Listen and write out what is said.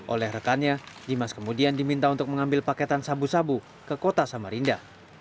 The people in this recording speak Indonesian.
oleh rekannya dimas kemudian diminta untuk mengambil paketan sabu sabu ke kota samarinda